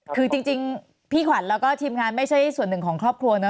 คือจริงพี่ขวัญแล้วก็ทีมงานไม่ใช่ส่วนหนึ่งของครอบครัวเนอ